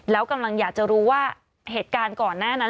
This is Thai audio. แล้วกำลังอยากจะรู้ว่าเหตุการณ์ก่อนหน้านั้น